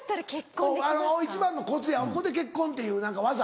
一番のコツやここで結婚っていう何か技。